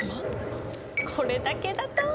これだけだと。